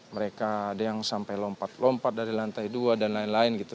mereka ada yang sampai lompat lompat dari lantai dua dan lain lain gitu